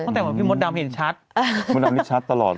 ต้องแต่งเหมือนพี่มดดำเห็นชัดพี่มดดำนี้ชัดตลอด